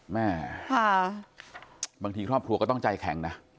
แม่บางทีครอบครัวก็ต้องใจแข็งนะ